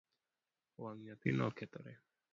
Wang nyathino okethore .